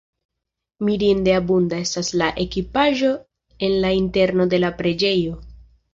Mirinde abunda estas la ekipaĵo en la interno de la preĝejo.